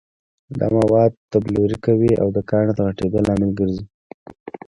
دا مواد تبلور کوي او د کاڼي د غټېدو لامل ګرځي.